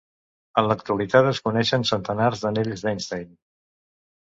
En l'actualitat es coneixen centenars d'anells d'Einstein.